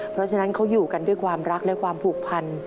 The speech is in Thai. เพราะฉะนั้นเขาอยู่กันด้วยความรักและความผูกพัน